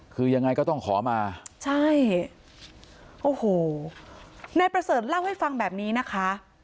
คือยังไงก็ต้องขอมาใช่โอ้โหนายประเสริฐเล่าให้ฟังแบบนี้นะคะ